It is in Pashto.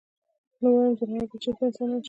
نو وايم ځناور به چرته انسانان نشي -